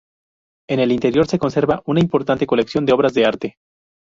En el interior se conserva una importante colección de obras de arte.